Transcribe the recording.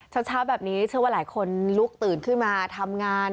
เช้าแบบนี้เชื่อว่าหลายคนลุกตื่นขึ้นมาทำงาน